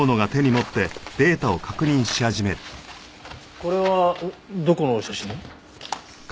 これはどこの写真？